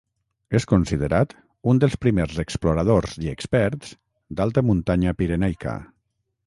És considerat un els primers exploradors i experts d'alta muntanya pirenaica.